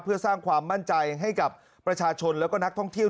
เพื่อสร้างความมั่นใจให้กับประชาชนแล้วก็นักท่องเที่ยว